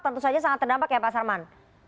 tentu saja sangat terdampak ya pak sarman